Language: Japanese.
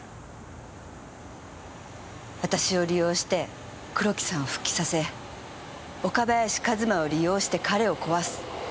私を利用して黒木さんを復帰させ岡林和馬を利用して彼を壊す。